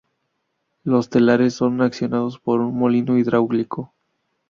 Los telares son accionados por un molino hidráulico.